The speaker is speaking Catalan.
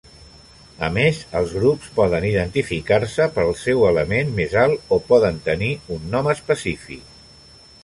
A més, els grups poden identificar-se pel seu element més alt o poden tenir un nom específic.